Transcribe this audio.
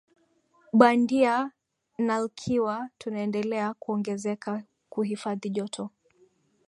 bandia naIkiwa tunaendelea kuongezeka kuhifadhi joto